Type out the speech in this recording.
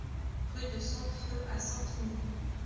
Rue de Sompheu à Sampigny